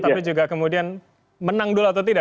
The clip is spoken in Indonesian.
tapi juga kemudian menang dulu atau tidak